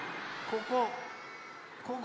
ここ。